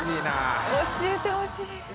教えてほしい。